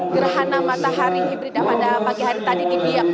gerhana matahari hibrida pada pagi hari tadi dibiak